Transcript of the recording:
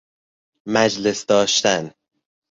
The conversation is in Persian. مجلس داشتن